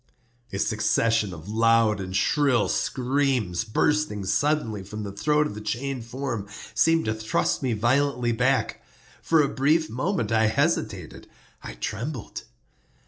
A succession of loud and shrill screams, bursting suddenly from the throat of the chained form, seemed to thrust me violently back. For a brief moment I hesitated—I trembled.